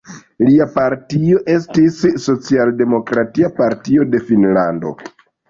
Lia partio estis Socialdemokratia Partio de Finnlando.